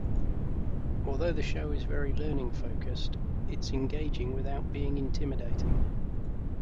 Although the show is very learning-focused, it's engaging without being intimidating.